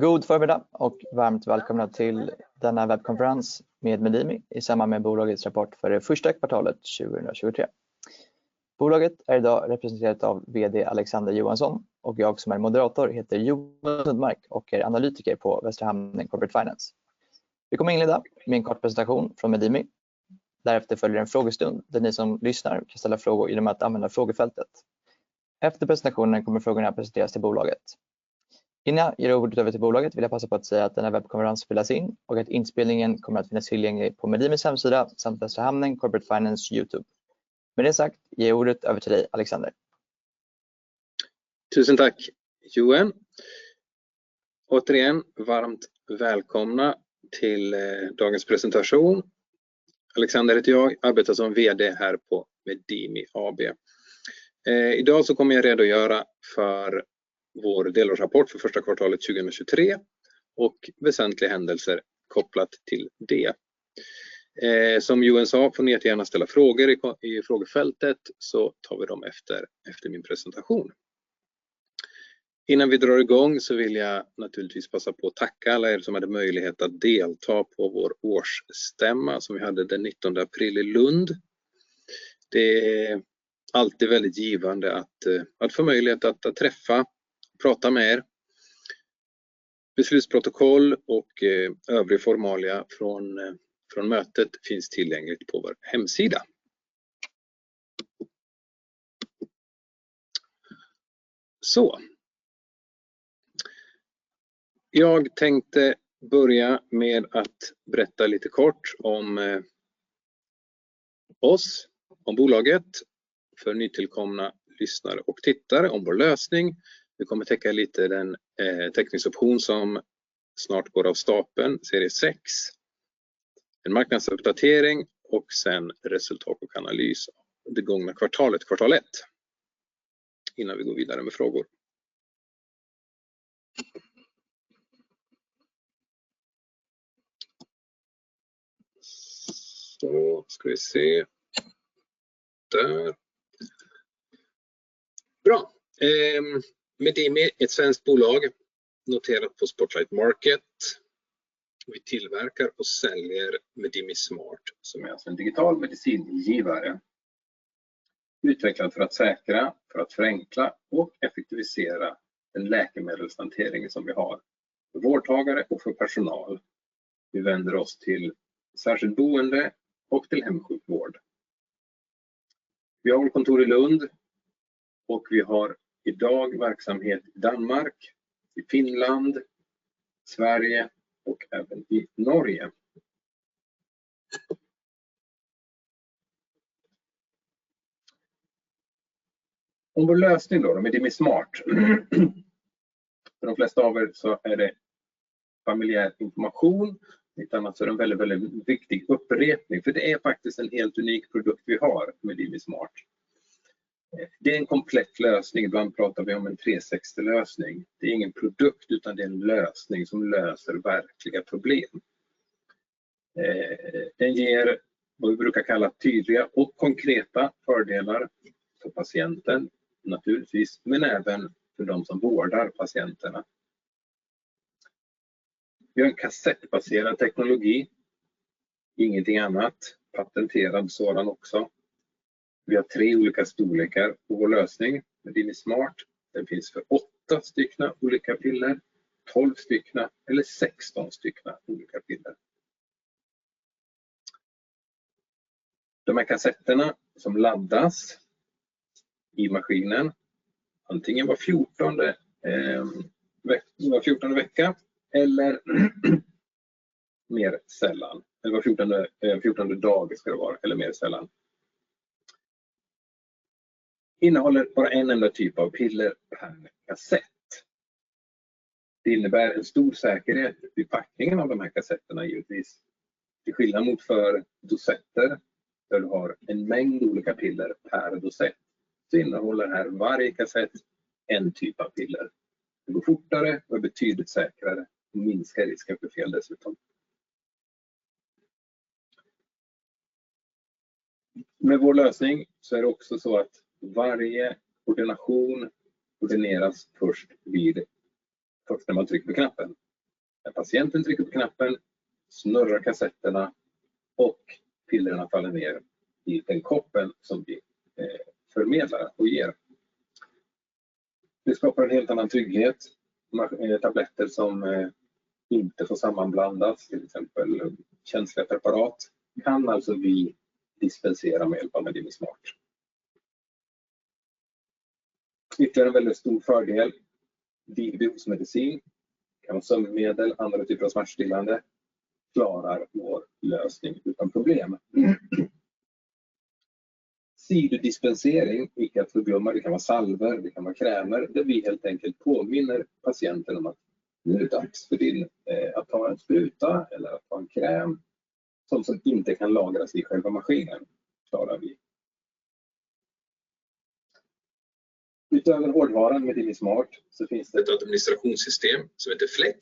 God förmiddag och varmt välkomna till denna webbkonferens med Medimi i samband med bolagets rapport för det first quarter 2023. Bolaget är i dag representerat av VD Alexander Johansson och jag som är moderator heter Joen Sundmark och är analyst på Västra Hamnen Corporate Finance. Vi kommer att inleda med en kort presentation från Medimi. Därefter följer en frågestund där ni som lyssnar kan ställa frågor genom att använda frågefältet. Efter presentationen kommer frågorna presenteras till bolaget. Innan jag ger ordet över till bolaget vill jag passa på att säga att denna webbkonferens spelas in och att inspelningen kommer att finnas tillgänglig på Medimis hemsida samt Västra Hamnen Corporate Finance YouTube. Med det sagt, ger jag ordet över till dig Alexander. Tusen tack Joen. Återigen, varmt välkomna till dagens presentation. Alexander heter jag, arbetar som VD här på Medimi AB. Idag kommer jag redogöra för vår delårsrapport för första kvartalet 2023 och väsentliga händelser kopplat till det. Som Joen sa får ni jättegärna ställa frågor i frågefältet så tar vi dem efter min presentation. Innan vi drar i gång vill jag naturligtvis passa på att tacka alla er som hade möjlighet att delta på vår årsstämma som vi hade den nittonde april i Lund. Det är alltid väldigt givande att få möjlighet att träffa, prata med er. Beslutsprotokoll och övrig formalia från mötet finns tillgängligt på vår hemsida. Jag tänkte börja med att berätta lite kort om oss, om bolaget för nytillkomna lyssnare och tittare om vår lösning. Vi kommer att täcka lite den teckningsoption som snart går av stapeln, serie 6, en marknadsuppdatering och sedan resultat och analys det gångna kvartalet, kvartal 1. Innan vi går vidare med frågor. Ska vi se. Där. Bra. Medimi, ett svenskt bolag noterat på Spotlight Stock Market. Vi tillverkar och säljer Medimi Smart som är en digital medicingivare. Utvecklad för att säkra, för att förenkla och effektivisera den läkemedelshanteringen som vi har för vårdtagare och för personal. Vi vänder oss till särskilt boende och till hemsjukvård. Vi har vårt kontor i Lund och vi har i dag verksamhet i Danmark, i Finland, Sverige och även i Norge. Om vår lösning då, Medimi Smart. För de flesta av er så är det familjär information. Utannat så är det en väldigt viktig upprepning, för det är faktiskt en helt unik produkt vi har, Medimi Smart. Det är en komplett lösning. Ibland pratar vi om en 360-lösning. Det är ingen produkt, utan det är en lösning som löser verkliga problem. Den ger vad vi brukar kalla tydliga och konkreta fördelar för patienten, naturligtvis, men även för de som vårdar patienterna. Vi har en kassettbaserad teknologi, ingenting annat, patenterad sådan också. Vi har tre olika storlekar på vår lösning, Medimi Smart. Den finns för 8 stycken olika piller, 12 stycken eller 16 stycken olika piller. De här kassetterna som laddas i maskinen antingen var 14:e vecka eller mer sällan. Eller var 14:e dag ska det vara eller mer sällan. Innehåller bara en enda typ av piller per kassett. Det innebär en stor säkerhet vid packningen av de här kassetterna givetvis. Till skillnad mot för dosetter, där du har en mängd olika piller per dosett, så innehåller här varje kassett en typ av piller. Det går fortare och är betydligt säkrare och minskar risken för fel dessutom. Med vår lösning är det också så att varje ordination ordineras först när man trycker på knappen. När patienten trycker på knappen, snurrar kassetterna och pillerna faller ner i den koppen som vi förmedlar och ger. Det skapar en helt annan trygghet. Tabletter som inte får sammanblandas, till exempel, känsliga preparat, kan alltså vi dispensera med hjälp av Medimi Smart. Ytterligare en väldigt stor fördel, vid behovsmedicin. Det kan vara sömnmedel, andra typer av smärtstillande, klarar vår lösning utan problem. Sidodispensering, vilket inte att förglömma. Det kan vara salvor, det kan vara krämer, där vi helt enkelt påminner patienten om att nu är det dags att ta en spruta eller att ta en kräm. Sånt som inte kan lagras i själva maskinen klarar vi. Utöver hårdvaran Medimi Smart så finns det ett administrationssystem som heter Flex.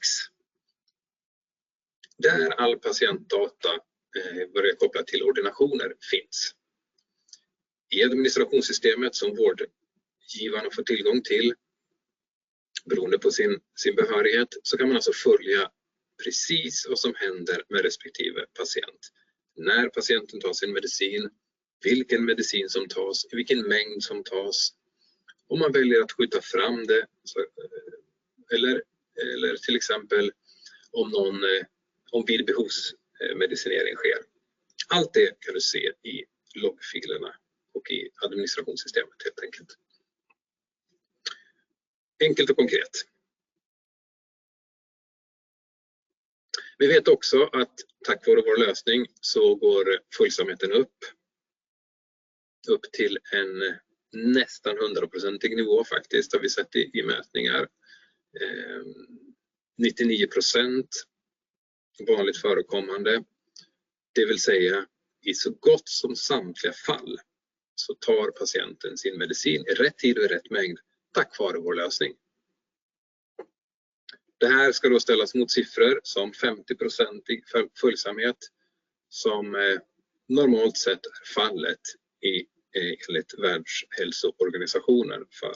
Där all patientdata, vad det är kopplat till ordinationer finns. I administrationssystemet som vårdgivaren får tillgång till, beroende på sin behörighet, så kan man alltså följa precis vad som händer med respektive patient. När patienten tar sin medicin, vilken medicin som tas, vilken mängd som tas, om man väljer att skjuta fram det, eller till exempel om vid behovs medicinering sker. Allt det kan du se i loggfilerna och i administrationssystemet helt enkelt. Enkelt och konkret. Vi vet också att tack vare vår lösning så går följsamheten upp. Upp till en nästan 100% nivå faktiskt har vi sett i mätningar. 99% vanligt förekommande. Det vill säga i så gott som samtliga fall så tar patienten sin medicin i rätt tid och i rätt mängd tack vare vår lösning. Det här ska då ställas mot siffror som 50% följsamhet som är normalt sett fallet i, enligt Världshälsoorganisationen för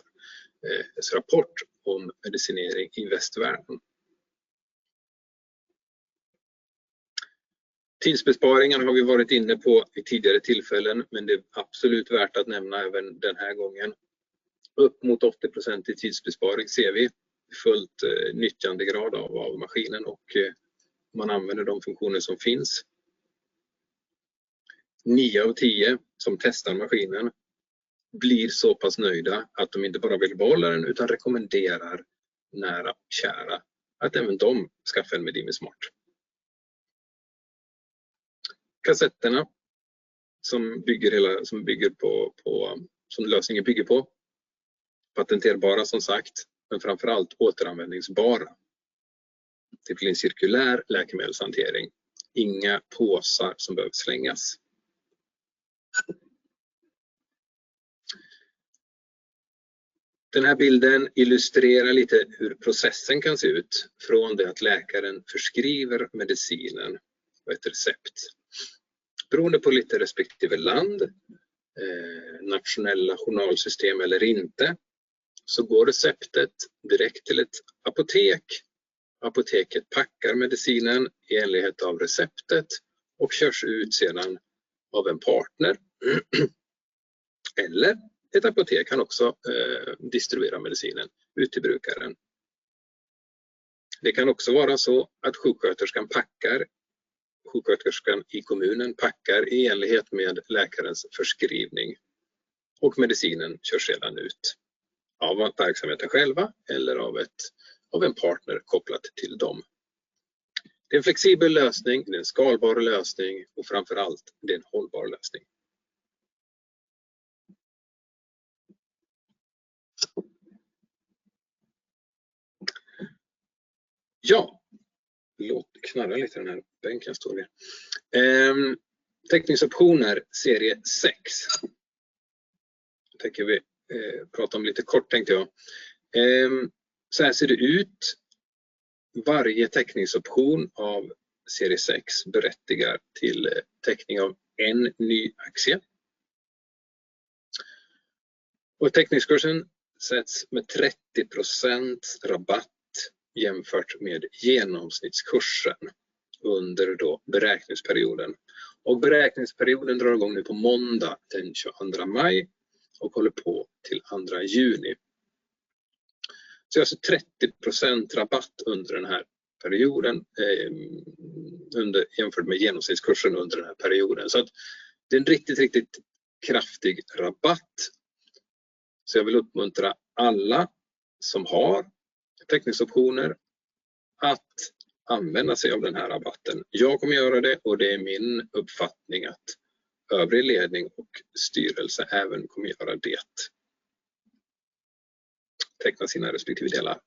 dess rapport om medicinering i västvärlden. Tidsbesparingen har vi varit inne på vid tidigare tillfällen, men det är absolut värt att nämna även den här gången. Upp mot 80% tidsbesparing ser vi fullt nyttjandegrad av maskinen och man använder de funktioner som finns. 9 av 10 som testar maskinen blir så pass nöjda att de inte bara vill behålla den utan rekommenderar nära kära att även de skaffar en Medimi Smart. Kassetterna som lösningen bygger på patenterbara som sagt, men framför allt återanvändningsbara. Det blir en cirkulär läkemedelshantering. Inga påsar som behöver slängas. Den här bilden illustrerar lite hur processen kan se ut från det att läkaren förskriver medicinen och ett recept. Beroende på lite respektive land, nationella journalsystem eller inte, går receptet direkt till ett apotek. Apoteket packar medicinen i enlighet av receptet och körs ut sedan av en partner. Ett apotek kan också distribuera medicinen ut till brukaren. Det kan också vara så att sjuksköterskan packar, sjuksköterskan i kommunen packar i enlighet med läkarens förskrivning och medicinen körs sedan ut av verksamheten själva eller av en partner kopplat till dem. Det är en flexibel lösning, det är en skalbar lösning och framför allt, det är en hållbar lösning. Det knarrar lite i den här bänken jag står i. Teckningsoptioner serie 6. Tänker vi prata om lite kort tänkte jag. Såhär ser det ut. Varje teckningsoption av serie 6 berättigar till teckning av en ny aktie. Teckningskursen sätts med 30% rabatt jämfört med genomsnittskursen under då beräkningsperioden. Beräkningsperioden drar i gång nu på måndag, den 22nd May och håller på till 2nd June. Alltså 30% rabatt under den här perioden, jämfört med genomsnittskursen under den här perioden. Det är en riktigt kraftig rabatt. Jag vill uppmuntra alla som har teckningsoptioner att använda sig av den här rabatten. Jag kommer göra det och det är min uppfattning att övrig ledning och styrelse även kommer att göra det. Teckna sina respektive delar.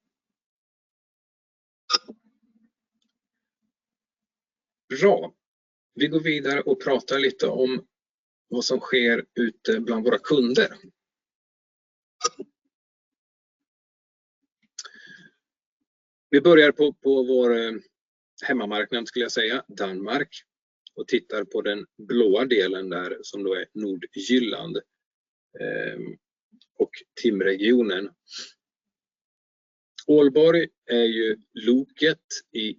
Bra. Vi går vidare och pratar lite om vad som sker ute bland våra kunder. Vi börjar på vår hemmamarknad skulle jag säga, Danmark och tittar på den blåa delen där som då är Nordjylland och TIM-regionen. Ålborg är ju loket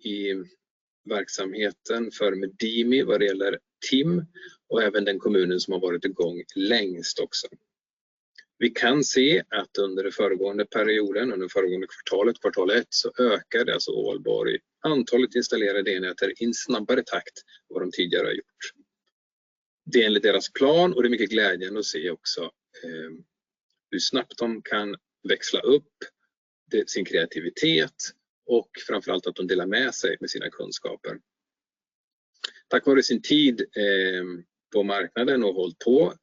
i verksamheten för Medimi vad det gäller TIM och även den kommunen som har varit i gång längst också. Vi kan se att under föregående perioden, under föregående kvartalet, kvartal ett, så ökade alltså Ålborg antalet installerade enheter i en snabbare takt vad de tidigare har gjort. Det är enligt deras plan och det är mycket glädjande att se också hur snabbt de kan växla upp sin kreativitet och framför allt att de delar med sig med sina kunskaper. Tack vare sin tid på marknaden och hållt på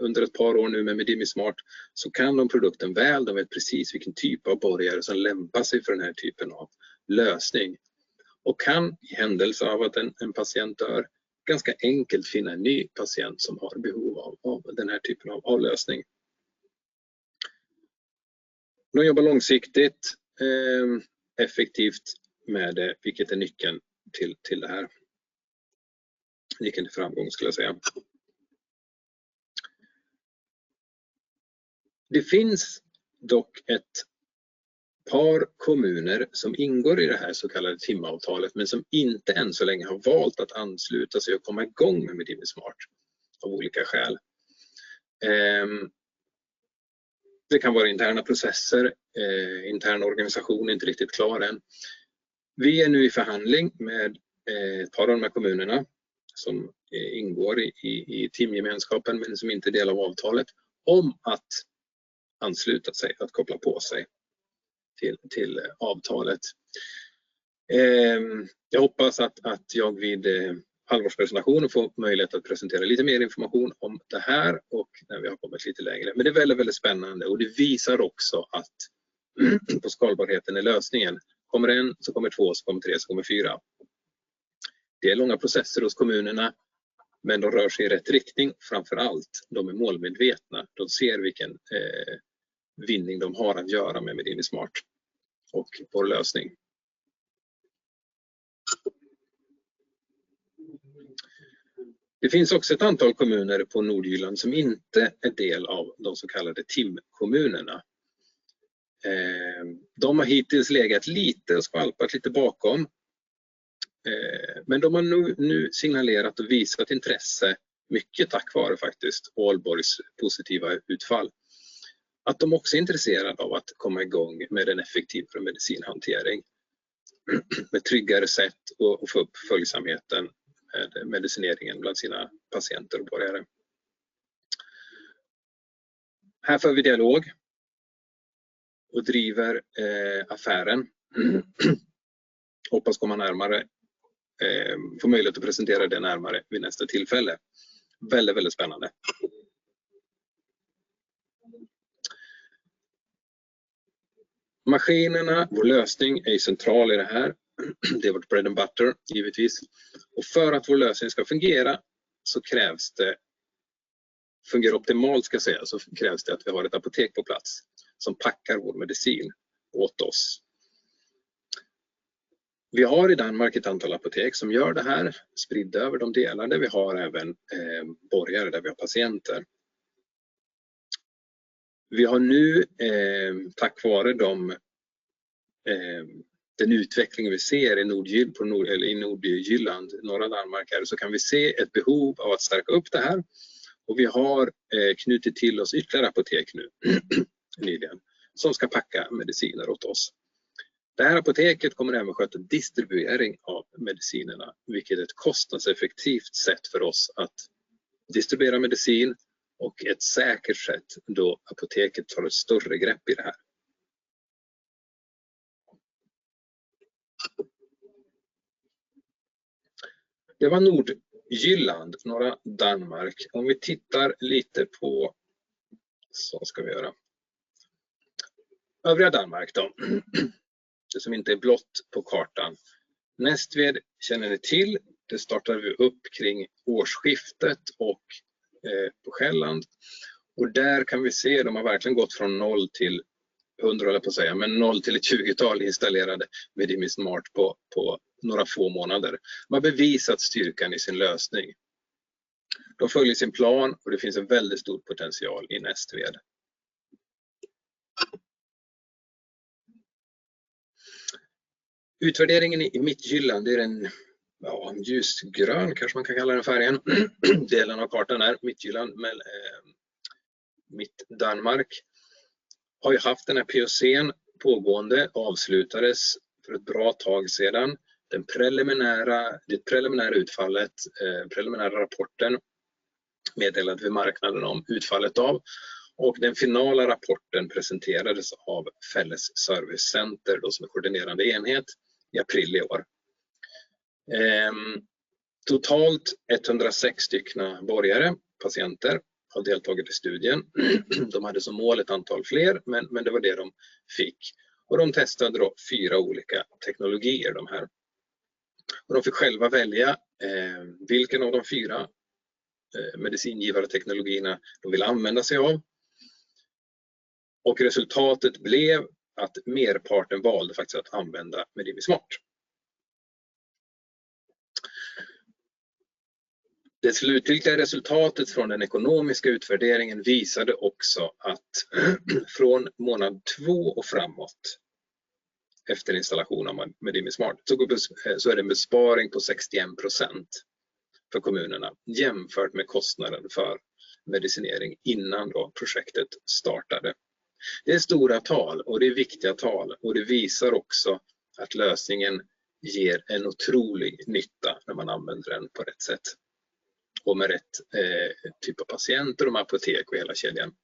under ett par år nu med Medimi Smart, så kan de produkten väl, de vet precis vilken typ av borgare som lämpar sig för den här typen av lösning och kan i händelse av att en patient dör ganska enkelt finna en ny patient som har behov av den här typen av lösning. De jobbar långsiktigt, effektivt med det, vilket är nyckeln till det här. Nyckeln till framgång skulle jag säga. Det finns dock ett par kommuner som ingår i det här så kallade TIM-avtalet, men som inte än så länge har valt att ansluta sig och komma i gång med Medimi Smart av olika skäl. Det kan vara interna processer, interna organisationer är inte riktigt klar än. Vi är nu i förhandling med ett par av de här kommunerna som ingår i TIM-gemenskapen men som inte är en del av avtalet, om att ansluta sig, att koppla på sig till avtalet. Jag hoppas att jag vid halvårspresentationen får möjlighet att presentera lite mer information om det här och när vi har kommit lite längre. Det är väldigt spännande och det visar också att på skalbarheten är lösningen. Kommer 1, så kommer 2, så kommer 3, så kommer 4. Det är långa processer hos kommunerna, men de rör sig i rätt riktning, framför allt de är målmedvetna. De ser vilken vinning de har att göra med Medimi Smart och vår lösning. Det finns också ett antal kommuner på Nordjylland som inte är del av de så kallade TIM-kommunerna. De har hittills legat lite och skalpat lite bakom, men de har nu signalerat och visat intresse, mycket tack vare faktiskt Aalborgs positiva utfall, att de också är intresserade av att komma i gång med en effektivare medicinhantering. Med tryggare sätt att få upp följsamheten, medicineringen bland sina patienter och borgare. Här för vi dialog och driver affären. Hoppas komma närmare, få möjlighet att presentera det närmare vid nästa tillfälle. Väldigt, väldigt spännande. Maskinerna, vår lösning är ju central i det här. Det är vårt bread and butter givetvis. För att vår lösning ska fungera så krävs det, fungera optimalt ska jag säga, så krävs det att vi har ett apotek på plats som packar vår medicin åt oss. Vi har i Danmark ett antal apotek som gör det här, spridda över de delar där vi har även borgare, där vi har patienter. Vi har nu tack vare den utvecklingen vi ser i Nordjylland, norra Danmark här, så kan vi se ett behov av att stärka upp det här. Vi har knutit till oss ytterligare apotek nu, nyligen, som ska packa mediciner åt oss. Det här apoteket kommer även sköta distribuering av medicinerna, vilket är ett kostnadseffektivt sätt för oss att distribuera medicin och ett säkert sätt då apoteket tar ett större grepp i det här. Det var Nordjylland, norra Danmark. Om vi tittar lite på. Övriga Danmark då. Det som inte är blått på kartan. Næstved känner vi till. Det startade vi upp kring årsskiftet på Själland. Där kan vi se de har verkligen gått från 0 to 100 höll jag på att säga, men 0 to 20 installerade Medimi®Smart på några få månader. Man bevisat styrkan i sin lösning. De följer sin plan och det finns en väldigt stor potential i Næstved. Utvärderingen i Mittjylland, det är en ljusgrön kanske man kan kalla den färgen, delen av kartan där, Mittjylland, Mittdanmark, har ju haft den här POC:n pågående, avslutades för ett bra tag sedan. Det preliminära utfallet, preliminära rapporten meddelade vi marknaden om utfallet av och den finala rapporten presenterades av Fälles Servicecenter, som är koordinerande enhet, i april i år. Totalt 106 styckna borgare, patienter, har deltagit i studien. De hade som mål ett antal fler, men det var det de fick. De testade då 4 olika teknologier de här. De fick själva välja vilken av de 4 medicingivarteknologierna de ville använda sig av. Resultatet blev att merparten valde faktiskt att använda Medimi Smart. Det slutgiltiga resultatet från den ekonomiska utvärderingen visade också att från månad 2 och framåt, efter installationen av Medimi Smart, så är det en besparing på 61% för kommunerna, jämfört med kostnaden för medicinering innan då projektet startade. Det är stora tal och det är viktiga tal och det visar också att lösningen ger en otrolig nytta när man använder den på rätt sätt och med rätt typ av patienter och apotek och hela kedjan.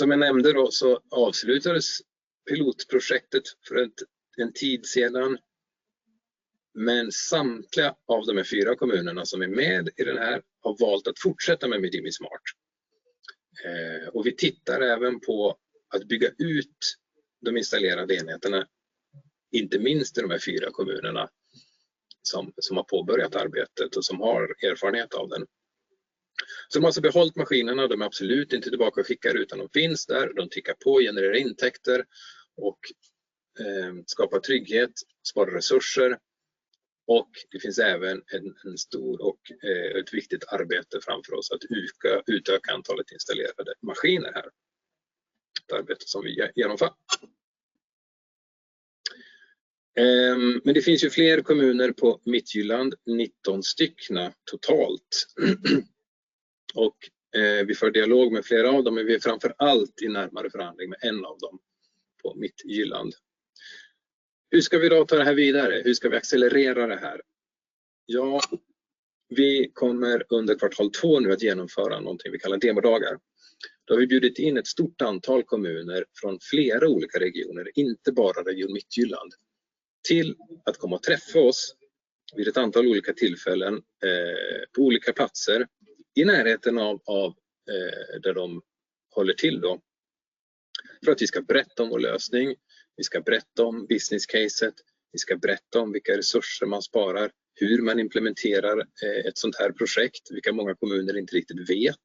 Jag nämnde då så avslutades pilotprojektet för en tid sedan, men samtliga av de här 4 kommunerna som är med i den här har valt att fortsätta med Medimi Smart. Vi tittar även på att bygga ut de installerade enheterna, inte minst i de här 4 kommunerna. Som har påbörjat arbetet och som har erfarenhet av den. De har alltså behållit maskinerna. De är absolut inte tillbaka och skickar utan de finns där. De tickar på, genererar intäkter och skapar trygghet, sparar resurser. Det finns även en stor och ett viktigt arbete framför oss att öka, utöka antalet installerade maskiner här. Ett arbete som vi genomför. Det finns ju fler kommuner på Mittjylland, 19 styckna totalt. Vi för dialog med flera av dem, men vi är framför allt i närmare förhandling med en av dem på Mittjylland. Hur ska vi då ta det här vidare? Hur ska vi accelerera det här? Vi kommer under Q2 nu att genomföra någonting vi kallar demodagar. Vi har bjudit in ett stort antal kommuner från flera olika regioner, inte bara Region Mittjylland, till att komma och träffa oss vid ett antal olika tillfällen på olika platser i närheten av där de håller till då. Vi ska berätta om vår lösning. Vi ska berätta om business case. Vi ska berätta om vilka resurser man sparar, hur man implementerar ett sådant här projekt, vilka många kommuner inte riktigt vet.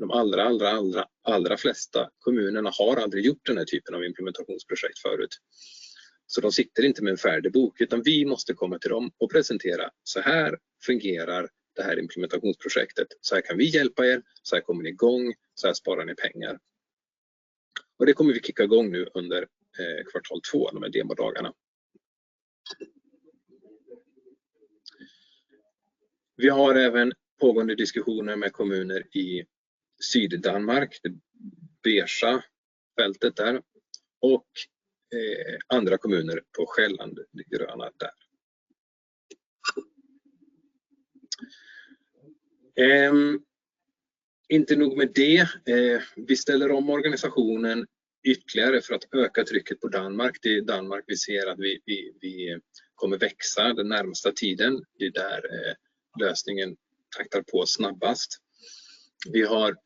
De allra flesta kommunerna har aldrig gjort den här typen av implementationsprojekt förut. De sitter inte med en färdig bok, utan vi måste komma till dem och presentera: så här fungerar det här implementationsprojektet. Så här kan vi hjälpa er, så här kommer ni i gång, så här sparar ni pengar. Det kommer vi kicka i gång nu under Q2, de här demodagarna. Vi har även pågående diskussioner med kommuner i Syddanmark, det beige fältet där och andra kommuner på Själland, det gröna där. Inte nog med det. Vi ställer om organisationen ytterligare för att öka trycket på Danmark. Det är i Danmark vi ser att vi kommer växa den närmaste tiden. Det är där lösningen traktar på snabbast. Vi har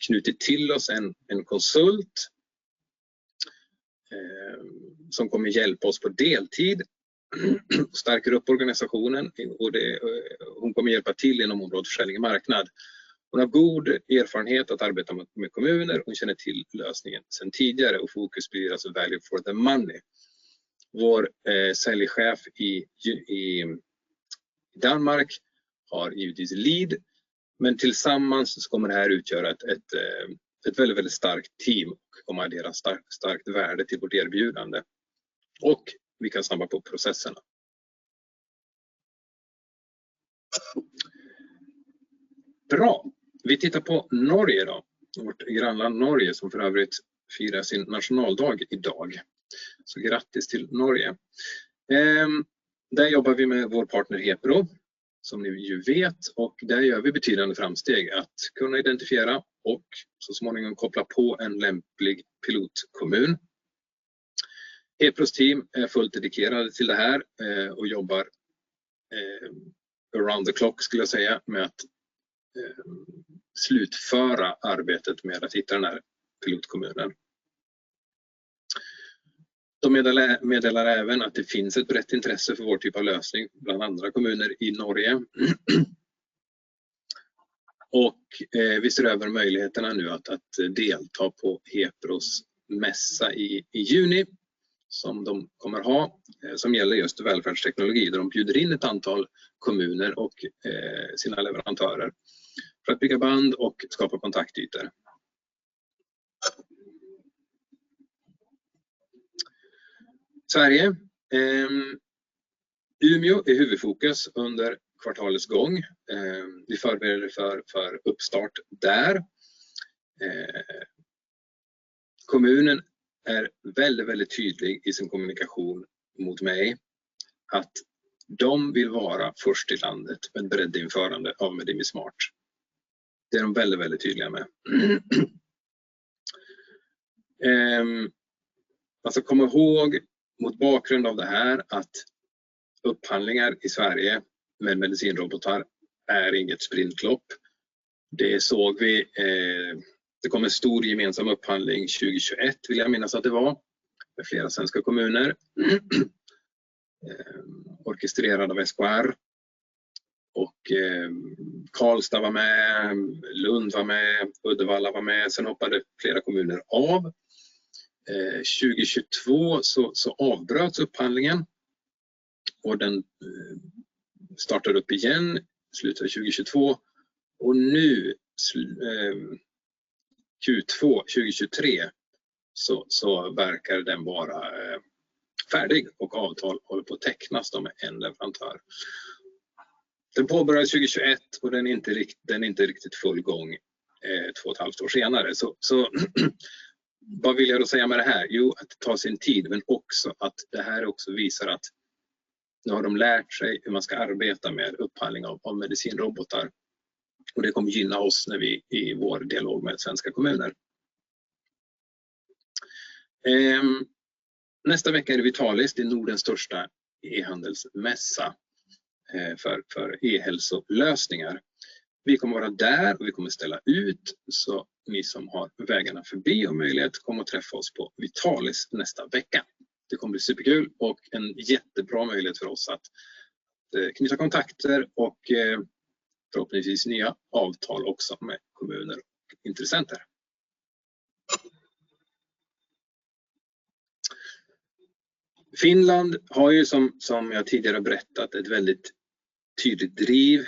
knutit till oss en konsult som kommer hjälpa oss på deltid, stärker upp organisationen. Det, hon kommer hjälpa till inom området försäljning och marknad. Hon har god erfarenhet att arbeta med kommuner. Hon känner till lösningen sedan tidigare och fokus blir alltså value for the money. Vår säljchef i Danmark har givetvis lead, Tillsammans kommer det här utgöra ett väldigt starkt team och kommer addera starkt värde till vårt erbjudande. Vi kan snabba på processerna. Bra. Vi tittar på Norge då. Vårt grannland Norge, som för övrigt firar sin nationaldag i dag. Grattis till Norge. Där jobbar vi med vår partner Hepro, som ni ju vet, Där gör vi betydande framsteg att kunna identifiera och så småningom koppla på en lämplig pilotkommun. Hepro's team är fullt dedikerade till det här och jobbar around the clock skulle jag säga, med att slutföra arbetet med att hitta den här pilotkommunen. De meddelar även att det finns ett brett intresse för vår typ av lösning bland andra kommuner i Norge. Vi ser över möjligheterna nu att delta på Hepro mässa i juni som de kommer ha, som gäller just välfärdsteknologi, där de bjuder in ett antal kommuner och sina leverantörer för att bygga band och skapa kontaktytor. Sverige. Umeå är huvudfokus under kvartalets gång. Vi förbereder för uppstart där. Kommunen är väldigt tydlig i sin kommunikation mot mig att de vill vara först i landet med breddinförande av Medimi Smart. Det är de väldigt tydliga med. Alltså kom ihåg mot bakgrund av det här att upphandlingar i Sverige med medicinrobotar är inget sprintlopp. Det såg vi, det kom en stor gemensam upphandling 2021 vill jag minnas att det var, med flera svenska kommuner. Orkestrerad av SKR. Karlstad var med, Lund var med, Uddevalla var med. Hoppade flera kommuner av. 2022 så avbröts upphandlingen och den startade upp igen, slutade 2022. Nu, Q2 2023 så verkar den vara färdig och avtal håller på att tecknas då med en leverantör. Den påbörjades 2021 och den är inte riktigt full gång två och ett halvt år senare. Vad vill jag då säga med det här? Jo, att det tar sin tid, men också att det här också visar att nu har de lärt sig hur man ska arbeta med upphandling av medicinrobotar och det kommer gynna oss när vi i vår dialog med svenska kommuner. Nästa vecka är det Vitalis, det är Nordens största e-hälsomässa för e-hälsolösningar. Vi kommer att vara där och vi kommer att ställa ut. Ni som har vägarna förbi och möjlighet kom och träffa oss på Vitalis nästa vecka. Det kommer bli superkul och en jättebra möjlighet för oss att knyta kontakter och förhoppningsvis nya avtal också med kommuner och intressenter. Finland har ju som jag tidigare har berättat, ett väldigt tydligt driv,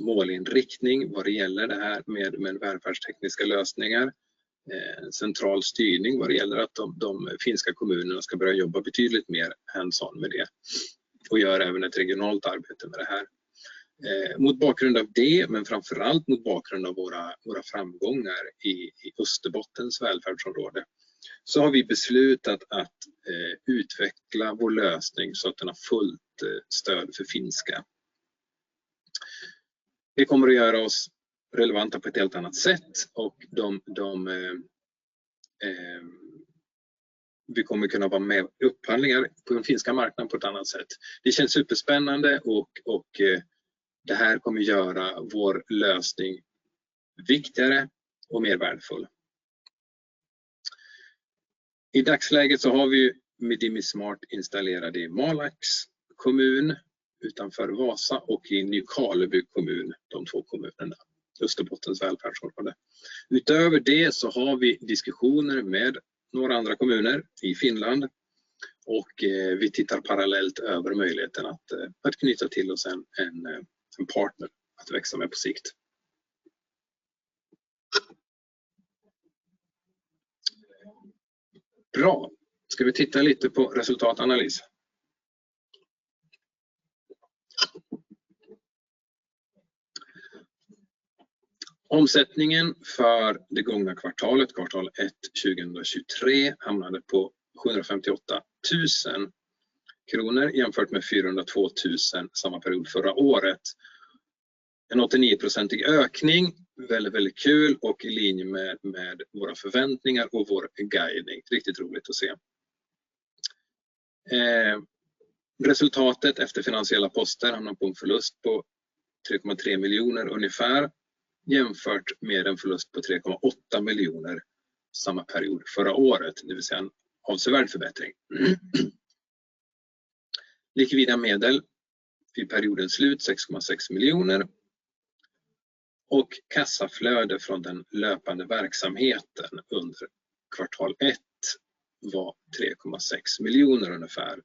en målinriktning vad det gäller det här med välfärdstekniska lösningar. Central styrning vad det gäller att de finska kommunerna ska börja jobba betydligt mer hands on med det och gör även ett regionalt arbete med det här. Mot bakgrund av det, men framför allt mot bakgrund av våra framgångar i Österbottens välfärdsområde, har vi beslutat att utveckla vår lösning så att den har fullt stöd för finska. Det kommer att göra oss relevanta på ett helt annat sätt och de, vi kommer kunna vara med i upphandlingar på den finska marknaden på ett annat sätt. Det känns superspännande och det här kommer göra vår lösning viktigare och mer värdefull. I dagsläget så har vi ju Medimi Smart installerade i Malax kommun utanför Vasa och i Nykarleby kommun, de två kommunerna. Österbottens välfärdsområde. Utöver det så har vi diskussioner med några andra kommuner i Finland och vi tittar parallellt över möjligheten att knyta till oss en partner att växa med på sikt. Bra. Ska vi titta lite på resultatanalys? Omsättningen för det gångna kvartalet, kvartal 1 2023, hamnade på SEK 758,000 jämfört med SEK 402,000 samma period förra året. En 89% ökning. Väldigt kul och i linje med våra förväntningar och vår guidning. Riktigt roligt att se. Resultatet efter finansiella poster hamnar på en förlust på SEK 3.3 million ungefär, jämfört med en förlust på SEK 3.8 million samma period förra året, det vill säga en avsevärd förbättring. Likvida medel vid periodens slut SEK 6.6 million. Kassaflöde från den löpande verksamheten under Q1 var SEK 3.6 million ungefär,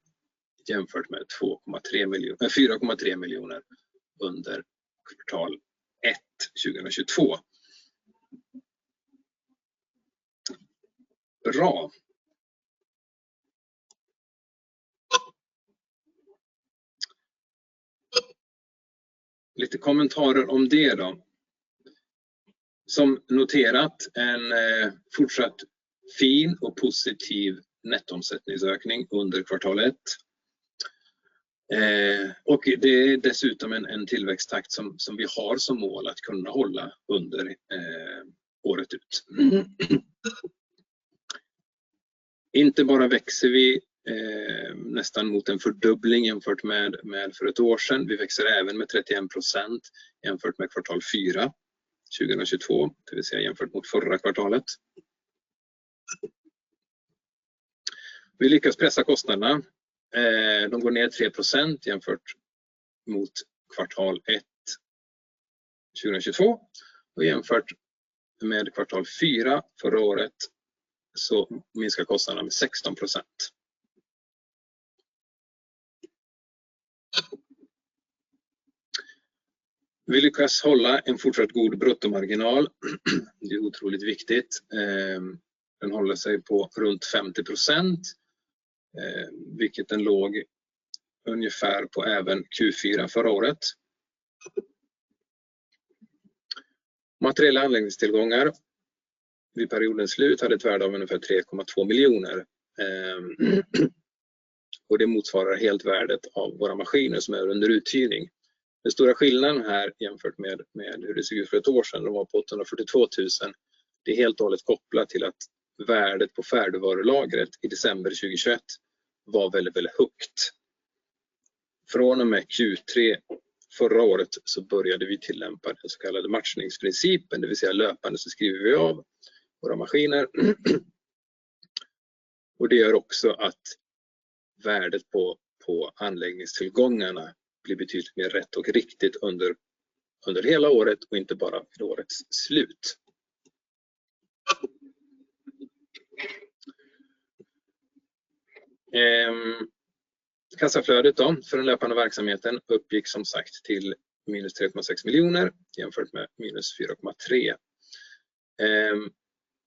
jämfört med SEK 4.3 million under Q1 2022. Bra. Lite kommentarer om det då. Som noterat, en fortsatt fin och positiv nettoomsättningsökning under Q1. Det är dessutom en tillväxttakt som vi har som mål att kunna hålla under året ut. Inte bara växer vi nästan mot en fördubbling jämfört med för ett år sedan. Vi växer även med 31% jämfört med Q4 2022, det vill säga jämfört mot förra kvartalet. Vi lyckas pressa kostnaderna. De går ner 3% jämfört mot Q1 2022 och jämfört med Q4 förra året så minskar kostnaderna med 16%. Vi lyckas hålla en fortsatt god bruttomarginal. Det är otroligt viktigt. Den håller sig på runt 50%, vilket den låg ungefär på även Q4 förra året. Materiella anläggningstillgångar vid periodens slut hade ett värde av ungefär SEK 3.2 miljoner. Det motsvarar helt värdet av våra maskiner som är under uthyrning. Den stora skillnaden här jämfört med hur det såg ut för ett år sedan, de var på SEK 842,000. Det är helt och hållet kopplat till att värdet på färdigvarulagret i december 2021 var väldigt högt. Från och med Q3 förra året började vi tillämpa den så kallade matchningsprincipen, det vill säga löpande skriver vi av våra maskiner. Det gör också att värdet på anläggningstillgångarna blir betydligt mer rätt och riktigt under hela året och inte bara vid årets slut. Kassaflödet då för den löpande verksamheten uppgick som sagt till minus SEK 3.6 miljoner jämfört med minus SEK 4.3 miljoner.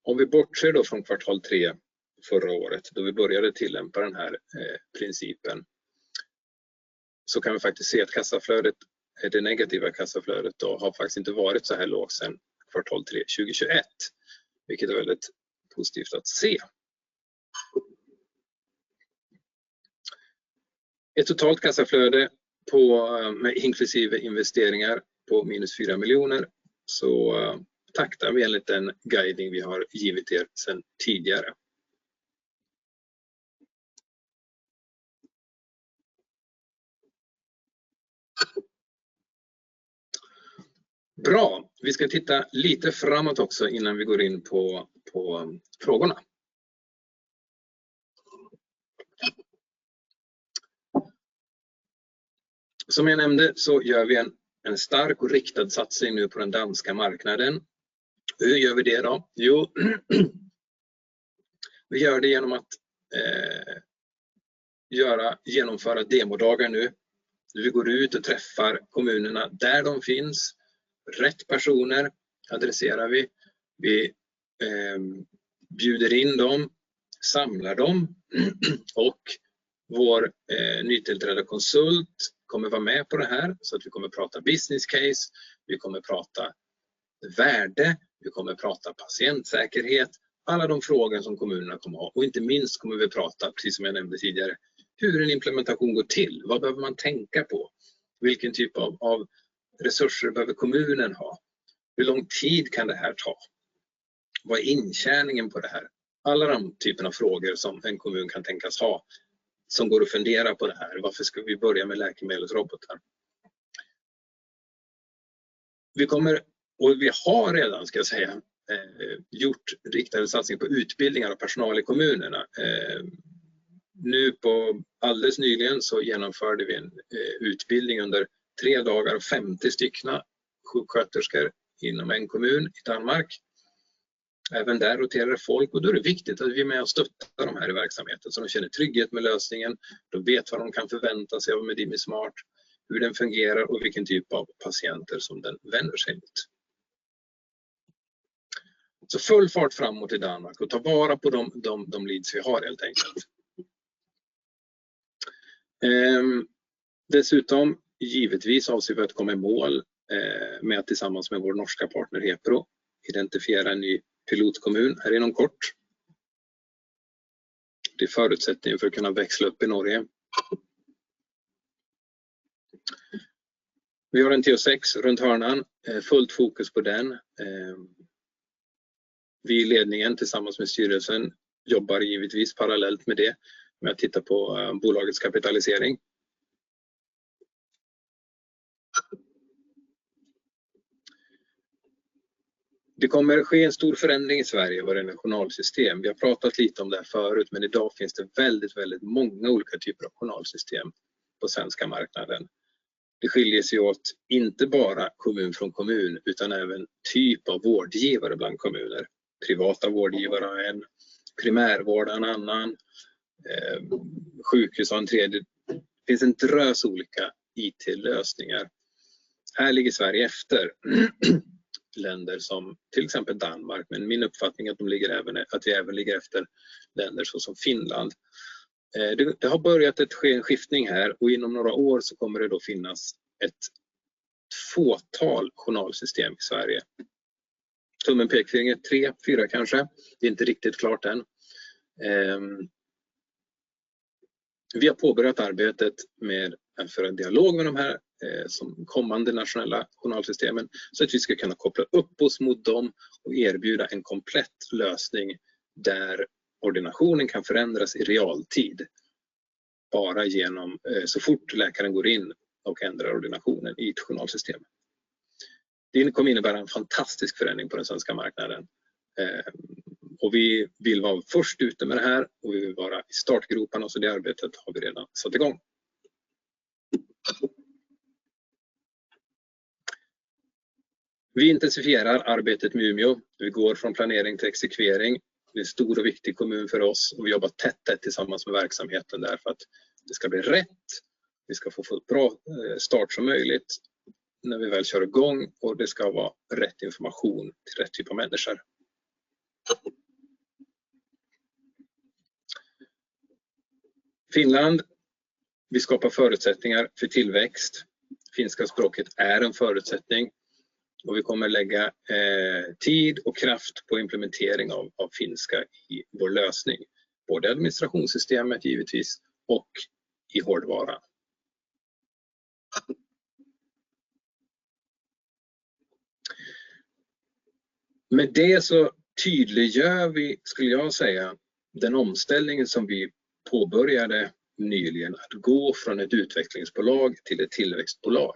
Om vi bortser från quarter 3 förra året då vi började tillämpa den här principen. Kan vi faktiskt se att kassaflödet, det negativa kassaflödet då har faktiskt inte varit såhär lågt sedan quarter 3 2021, vilket är väldigt positivt att se. Ett totalt kassaflöde på inklusive investeringar på minus SEK 4 million. Taktar vi enligt den guidning vi har givit er sedan tidigare. Bra. Vi ska titta lite framåt också innan vi går in på frågorna. Som jag nämnde så gör vi en stark och riktad satsning nu på den danska marknaden. Hur gör vi det då? Jo, vi gör det genom att genomföra demodagar nu. Vi går ut och träffar kommunerna där de finns. Rätt personer adresserar vi. Vi bjuder in dem, samlar dem och vår nytillträdda konsult kommer att vara med på det här så att vi kommer att prata business case, vi kommer att prata värde, vi kommer att prata patientsäkerhet. Alla de frågor som kommunerna kommer att ha. Inte minst kommer vi att prata, precis som jag nämnde tidigare, hur en implementation går till. Vad behöver man tänka på? Vilken typ av resurser behöver kommunen ha? Hur lång tid kan det här ta? Vad är intjäningen på det här? Alla de typerna av frågor som en kommun kan tänkas ha som går och funderar på det här. Varför ska vi börja med läkemedelsrobotar? Vi kommer och vi har redan ska jag säga, gjort riktade satsning på utbildningar av personal i kommunerna. Nu på alldeles nyligen så genomförde vi en utbildning under three dagar, 50 styckna sjuksköterskor inom en kommun i Danmark. Även där roterar folk och då är det viktigt att vi är med och stöttar de här i verksamheten så de känner trygghet med lösningen. De vet vad de kan förvänta sig av Medimi Smart, hur den fungerar och vilken typ av patienter som den vänder sig mot. Full fart framåt i Danmark och ta vara på de leads vi har helt enkelt. Dessutom givetvis avser vi att komma i mål med att tillsammans med vår norska partner Hepro identifiera en ny pilotkommun här inom kort. Det är förutsättningen för att kunna växla upp i Norge. Vi har en TO6 runt hörnan, fullt fokus på den. Vi i ledningen tillsammans med styrelsen jobbar givetvis parallellt med det med att titta på bolagets kapitalisering. Det kommer att ske en stor förändring i Sverige vad det gäller journalsystem. Vi har pratat lite om det här förut, men i dag finns det väldigt många olika typer av journalsystem på svenska marknaden. Det skiljer sig åt inte bara kommun från kommun, utan även typ av vårdgivare bland kommuner. Privata vårdgivare är en, primärvård är en annan, sjukhus en tredje. Det finns en drös olika IT-lösningar. Här ligger Sverige efter länder som till exempel Danmark, men min uppfattning är att de ligger även, att vi även ligger efter länder så som Finland. Det har börjat att ske en skiftning här och inom några år så kommer det då finnas ett fåtal journalsystem i Sverige. Tummen, pekfinger, tre, fyra kanske. Det är inte riktigt klart än. Vi har påbörjat arbetet med att föra en dialog med de här som kommande nationella journalsystemen så att vi ska kunna koppla upp oss mot dem och erbjuda en komplett lösning där ordinationen kan förändras i realtid. Bara genom, så fort läkaren går in och ändrar ordinationen i ett journalsystem. Det kommer innebära en fantastisk förändring på den svenska marknaden. Vi vill vara först ute med det här och vi vill vara i startgroparna så det arbetet har vi redan satt i gång. Vi intensifierar arbetet med Umeå. Vi går från planering till exekvering. Det är en stor och viktig kommun för oss och vi jobbar tätt här tillsammans med verksamheten där för att det ska bli rätt, vi ska få så bra start som möjligt när vi väl kör i gång och det ska vara rätt information till rätt typ av människor. Finland, vi skapar förutsättningar för tillväxt. Finska språket är en förutsättning och vi kommer att lägga tid och kraft på implementering av finska i vår lösning. Både administrationssystemet givetvis och i hårdvaran. Med det så tydliggör vi, skulle jag säga, den omställningen som vi påbörjade nyligen att gå från ett utvecklingsbolag till ett tillväxtbolag.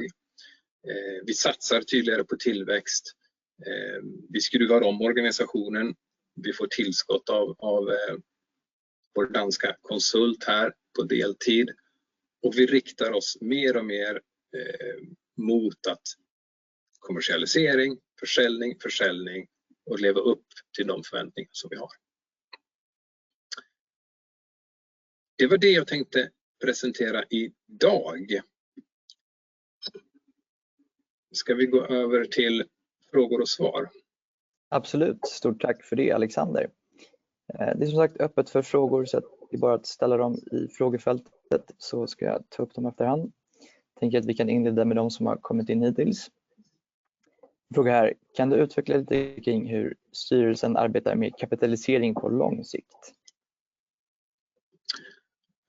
Vi satsar tydligare på tillväxt. Vi skruvar om organisationen, vi får tillskott av vår danska konsult här på deltid och vi riktar oss mer och mer mot att kommersialisering, försäljning och leva upp till de förväntningar som vi har. Det var det jag tänkte presentera i dag. Ska vi gå över till frågor och svar? Absolut. Stort tack för det, Alexander. Det är som sagt öppet för frågor så att det är bara att ställa dem i frågefältet så ska jag ta upp dem efterhand. Tänker att vi kan inleda med de som har kommit in hittills. Fråga här: Kan du utveckla lite kring hur styrelsen arbetar med kapitalisering på lång sikt?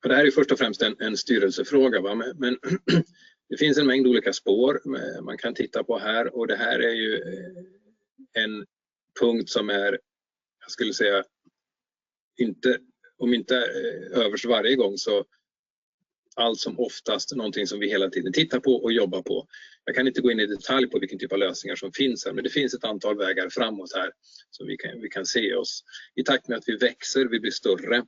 Det här är först och främst en styrelsefråga va, men det finns en mängd olika spår man kan titta på här och det här är ju en punkt som är, jag skulle säga, om inte överst varje gång, så allt som oftast någonting som vi hela tiden tittar på och jobbar på. Jag kan inte gå in i detalj på vilken typ av lösningar som finns här, men det finns ett antal vägar framåt här som vi kan se oss. I takt med att vi växer, vi blir större,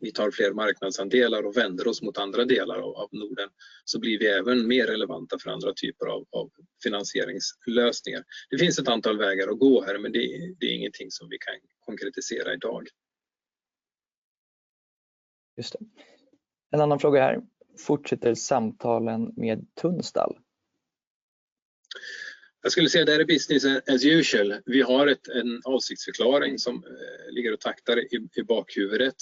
vi tar fler marknadsandelar och vänder oss mot andra delar av Norden, så blir vi även mer relevanta för andra typer av finansieringslösningar. Det finns ett antal vägar att gå här, men det är ingenting som vi kan konkretisera i dag. Just det. En annan fråga här: fortsätter samtalen med Tunstall? Jag skulle säga det är business as usual. Vi har en avsiktsförklaring som ligger och taktar i bakhuvudet.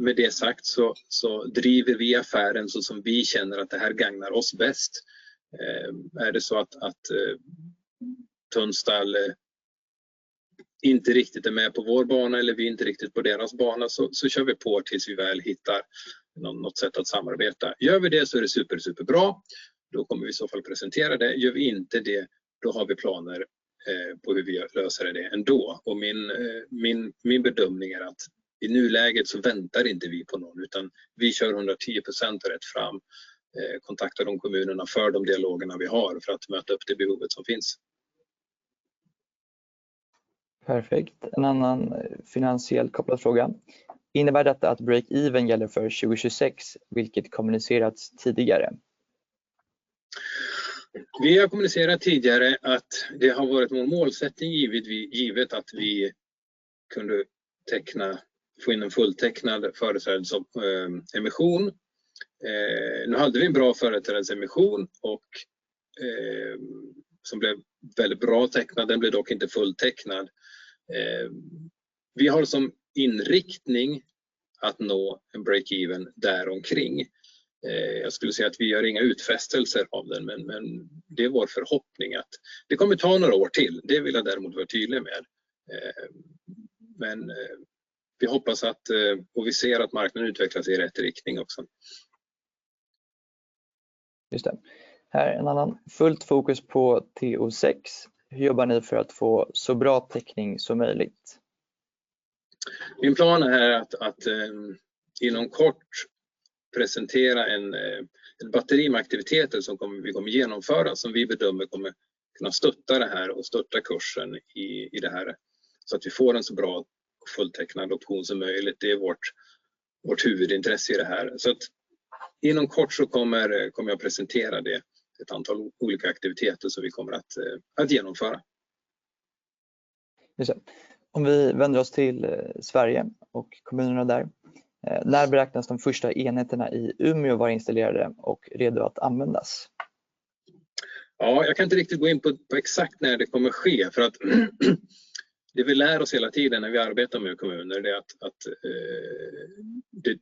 Med det sagt så driver vi affären så som vi känner att det här gagnar oss bäst. Är det så att Tunstall inte riktigt är med på vår bana eller vi inte riktigt på deras bana så kör vi på tills vi väl hittar något sätt att samarbeta. Gör vi det så är det super, superbra. Då kommer vi i så fall presentera det. Gör vi inte det, då har vi planer på hur vi löser det ändå. Min bedömning är att i nuläget så väntar inte vi på någon, utan vi kör 110% rätt fram, kontaktar de kommunerna för de dialogerna vi har för att möta upp det behovet som finns. Perfekt. En annan finansiellt kopplad fråga. Innebär detta att break even gäller för 2026, vilket kommunicerats tidigare? Vi har kommunicerat tidigare att det har varit vår målsättning givet att vi kunde teckna, få in en fulltecknad företrädesemission. Nu hade vi en bra företrädesemission och som blev väldigt bra tecknad. Den blev dock inte fulltecknad. Vi har som inriktning att nå en break even där omkring. Jag skulle säga att vi gör inga utfästelser av den, men det är vår förhoppning att det kommer ta några år till. Det vill jag däremot vara tydlig med. Vi hoppas att och vi ser att marknaden utvecklas i rätt riktning också. Just det. Här en annan: fullt fokus på TO6. Hur jobbar ni för att få så bra täckning som möjligt? Min plan är att inom kort presentera en batteri med aktiviteter som vi kommer genomföra, som vi bedömer kommer kunna stötta det här och stötta kursen i det här så att vi får en så bra fulltecknad option som möjligt. Det är vårt huvudintresse i det här. Inom kort så kommer jag presentera det, ett antal olika aktiviteter som vi kommer att genomföra. Om vi vänder oss till Sverige och kommunerna där. När beräknas de första enheterna i Umeå vara installerade och redo att användas? Ja, jag kan inte riktigt gå in på exakt när det kommer ske för att det vi lär oss hela tiden när vi arbetar med kommuner, det är att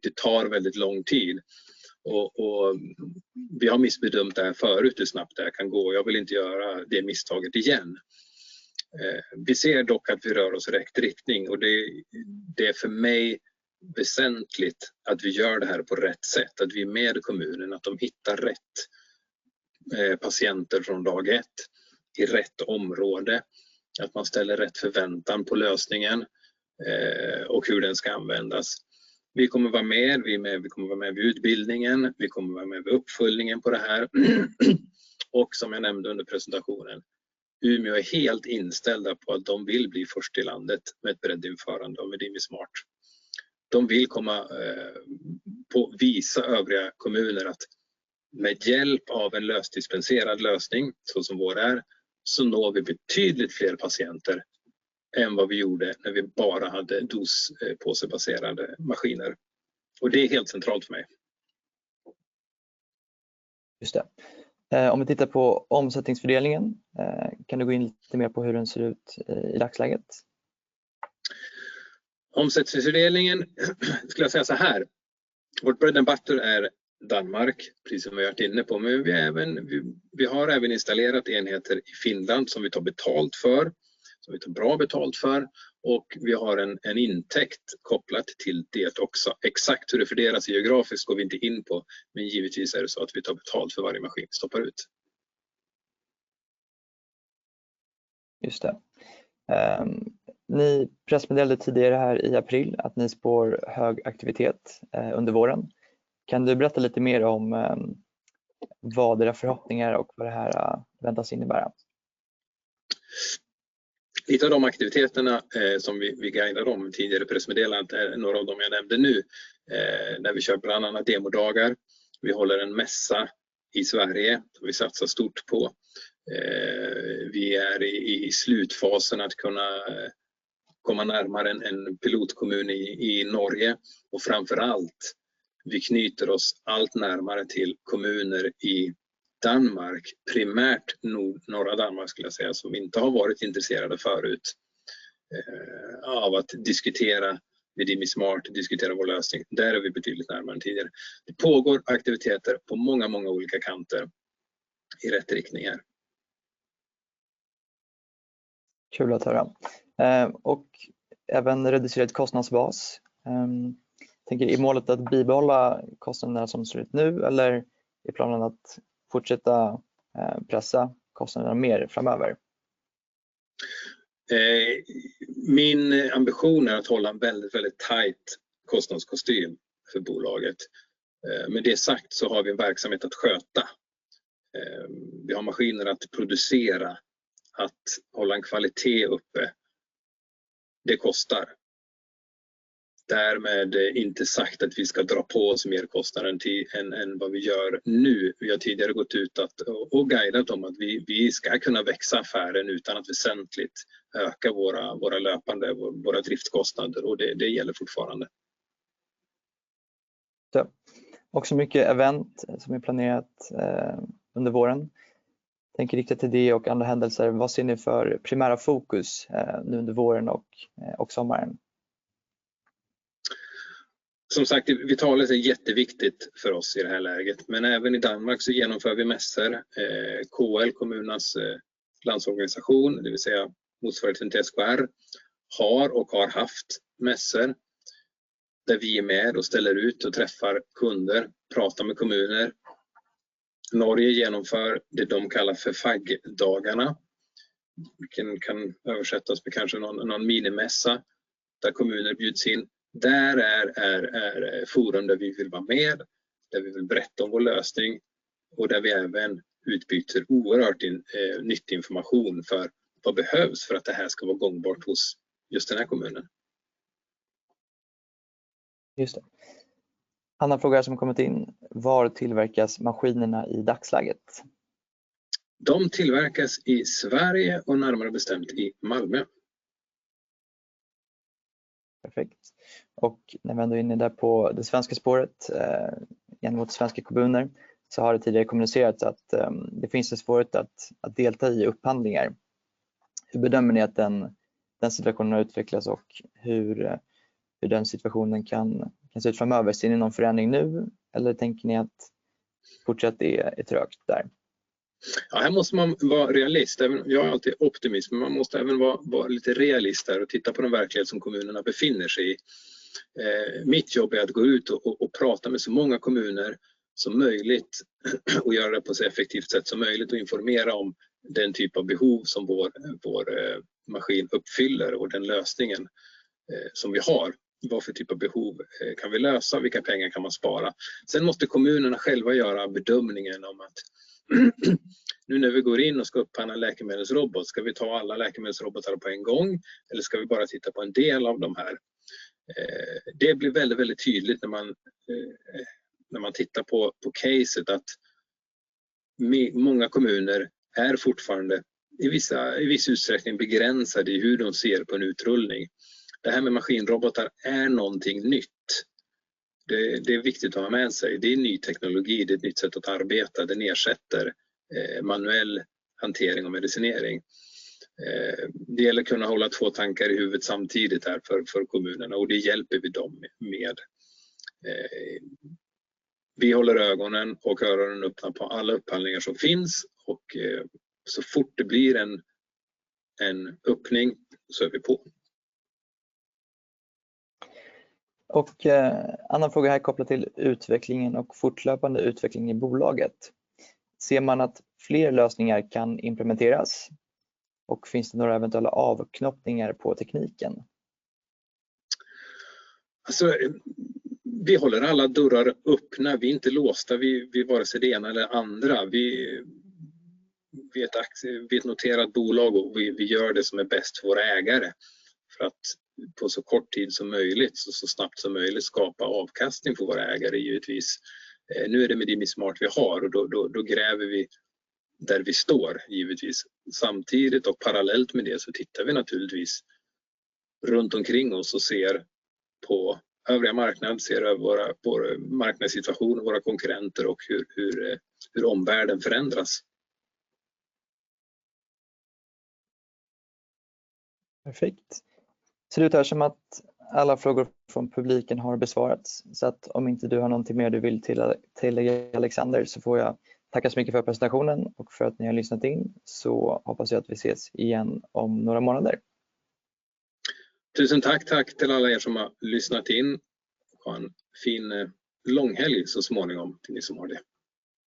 det tar väldigt lång tid. Vi har missbedömt det här förut hur snabbt det här kan gå. Jag vill inte göra det misstaget igen. Vi ser dock att vi rör oss i rätt riktning och det är för mig väsentligt att vi gör det här på rätt sätt, att vi är med i kommunen, att de hittar rätt patienter från dag ett i rätt område, att man ställer rätt förväntan på lösningen och hur den ska användas. Vi kommer att vara med, vi kommer att vara med vid utbildningen, vi kommer att vara med vid uppföljningen på det här. Som jag nämnde under presentationen, Umeå är helt inställda på att de vill bli först i landet med ett breddinförande av Medimi Smart. De vill komma på, visa övriga kommuner att med hjälp av en lösdispenserad lösning, så som vår är, så når vi betydligt fler patienter än vad vi gjorde när vi bara hade dospåsebaserade maskiner. Det är helt centralt för mig. Just det. Om vi tittar på omsättningsfördelningen, kan du gå in lite mer på hur den ser ut i dagsläget? Omsättningsfördelningen skulle jag säga såhär: vårt bread and butter är Danmark, precis som vi har varit inne på. Vi har även installerat enheter i Finland som vi tar betalt för, som vi tar bra betalt för. Vi har en intäkt kopplat till det också. Exakt hur det fördelas geografiskt går vi inte in på, men givetvis är det så att vi tar betalt för varje maskin vi stoppar ut. Just det. Ni pressmeddelade tidigare här i April att ni spår hög aktivitet under våren. Kan du berätta lite mer om vad era förhoppningar är och vad det här väntas innebära? Lite av de aktiviteterna som vi guidade om i tidigare pressmeddelande är några av de jag nämnde nu. När vi kör bland annat demodagar, vi håller en mässa i Sverige som vi satsar stort på. Vi är i slutfasen att kunna komma närmare en pilotkommun i Norge och framför allt, vi knyter oss allt närmare till kommuner i Danmark, primärt norra Danmark skulle jag säga, som inte har varit intresserade förut av att diskutera Medimi Smart, diskutera vår lösning. Där är vi betydligt närmare än tidigare. Det pågår aktiviteter på många olika kanter i rätt riktningar. Kul att höra. Även reducerat kostnadsbas. Jag tänker är målet att bibehålla kostnaderna som de ser ut nu eller är planen att fortsätta pressa kostnaderna mer framöver? Min ambition är att hålla en väldigt tajt kostnadskostym för bolaget. Med det sagt så har vi en verksamhet att sköta. Vi har maskiner att producera, att hålla en kvalitet uppe. Det kostar. Därmed inte sagt att vi ska dra på oss mer kostnader än vad vi gör nu. Vi har tidigare gått ut och guidat om att vi ska kunna växa affären utan att väsentligt öka våra löpande driftskostnader. Det gäller fortfarande. Mycket event som är planerat under våren. Tänker riktat till det och andra händelser. Vad ser ni för primära fokus nu under våren och sommaren? Som sagt, Vitalis är jätteviktigt för oss i det här läget, men även i Danmark så genomför vi mässor. KL, kommunernas landsorganisation, det vill säga motsvarigheten till SKR, har och har haft mässor där vi är med och ställer ut och träffar kunder, pratar med kommuner. Norge genomför det de kallar för Fagdagene, vilken kan översättas med kanske någon minimässa där kommuner bjuds in. Det är forum där vi vill vara med, där vi vill berätta om vår lösning och där vi även utbyter oerhört nyttig information för vad behövs för att det här ska vara gångbart hos just den här kommunen. Just det. Annan fråga som kommit in: Var tillverkas maskinerna i dagsläget? De tillverkas i Sverige och närmare bestämt i Malmö. Perfekt. När vi ändå är inne där på det svenska spåret, gentemot svenska kommuner, så har det tidigare kommunicerats att det finns en svårighet att delta i upphandlingar. Hur bedömer ni att den situationen har utvecklats och hur den situationen kan se ut framöver? Ser ni någon förändring nu? Eller tänker ni att fortsatt det är trögt där? Här måste man vara realist. Jag är alltid optimist, men man måste även vara lite realist där och titta på den verklighet som kommunerna befinner sig i. Mitt jobb är att gå ut och prata med så många kommuner som möjligt och göra det på ett så effektivt sätt som möjligt och informera om den typ av behov som vår maskin uppfyller och den lösningen som vi har. Vad för typ av behov kan vi lösa? Vilka pengar kan man spara? Måste kommunerna själva göra bedömningen om att nu när vi går in och ska upphandla en läkemedelsrobot, ska vi ta alla läkemedelsrobotar på en gång? Ska vi bara titta på en del av de här? Det blir väldigt tydligt när man tittar på caset att många kommuner är fortfarande i viss utsträckning begränsade i hur de ser på en utrullning. Det här med maskinrobotar är någonting nytt. Det är viktigt att ha med sig. Det är en ny teknologi, det är ett nytt sätt att arbeta, det ersätter manuell hantering och medicinering. Det gäller att kunna hålla 2 tankar i huvudet samtidigt här för kommunerna och det hjälper vi dem med. Vi håller ögonen och öronen öppna på alla upphandlingar som finns och så fort det blir en öppning så är vi på. Annan fråga här kopplat till utvecklingen och fortlöpande utveckling i bolaget. Ser man att fler lösningar kan implementeras och finns det några eventuella avknoppningar på tekniken? Vi håller alla dörrar öppna, vi är inte låsta, vi vare sig det ena eller andra. Vi är ett noterat bolag och vi gör det som är bäst för våra ägare för att på så kort tid som möjligt och så snabbt som möjligt skapa avkastning för våra ägare givetvis. Nu är det Medimi Smart vi har och då gräver vi där vi står givetvis. Samtidigt och parallellt med det så tittar vi naturligtvis runt omkring oss och ser på övriga marknad, ser över vår marknadssituation, våra konkurrenter och hur omvärlden förändras. Perfekt. Ser ut här som att alla frågor från publiken har besvarats. Om inte du har någonting mer du vill tillägga, Alexander, så får jag tacka så mycket för presentationen och för att ni har lyssnat in. Hoppas jag att vi ses igen om några månader. Tusen tack. Tack till alla er som har lyssnat in. Ha en fin långhelg så småningom till ni som har det.